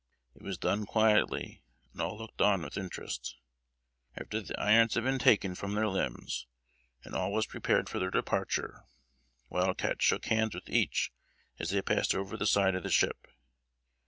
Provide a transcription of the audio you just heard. It was done quietly, and all looked on with interest. After the irons had been taken from their limbs, and all was prepared for their departure, Wild Cat shook hands with each as they passed over the side of the ship.